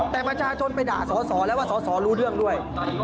แต่ประชาชนไปด่าสอสอแล้วว่าสอสอรู้เรื่องด้วย